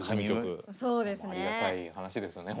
そうですね。